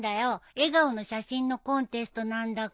笑顔の写真のコンテストなんだから。